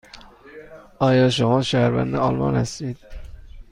آیا شما شهروند آلمان هستید؟